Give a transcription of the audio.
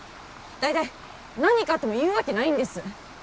大体何かあっても言うわけないんです